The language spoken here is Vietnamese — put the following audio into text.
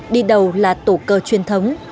đi đầu là tổ cơ truyền thống